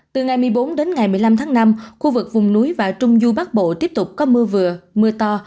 từ ngày một mươi bốn đến ngày một mươi năm tháng năm khu vực vùng núi và trung du bắc bộ tiếp tục có mưa vừa mưa to